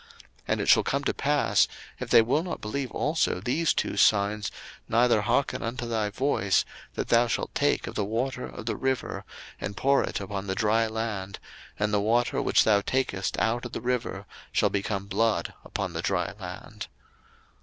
02:004:009 And it shall come to pass, if they will not believe also these two signs, neither hearken unto thy voice, that thou shalt take of the water of the river, and pour it upon the dry land: and the water which thou takest out of the river shall become blood upon the dry land.